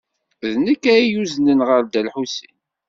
D nekk ay yuznen ɣer Dda Lḥusin.